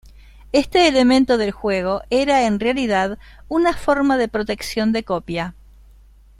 Este elemento del juego era en realidad una forma de protección de copia.